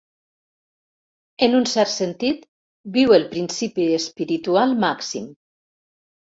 En un cert sentit, viu el principi espiritual màxim.